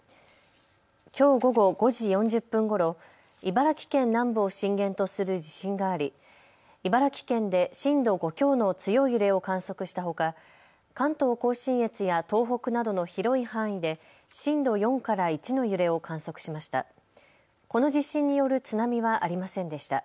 きょう午後５時４０分ごろ、茨城県南部を震源とする地震があり茨城県で震度５強の強い揺れを観測したほか、関東甲信越や東北などの広い範囲で震度４から１の揺れを観測しました。